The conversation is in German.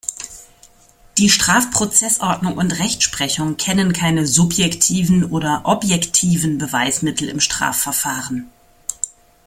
Die Strafprozessordnung und Rechtsprechung kennen keine „subjektiven“ oder „objektiven“ Beweismittel im Strafverfahren.